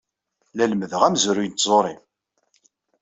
La lemdeɣ amezruy n tẓuri.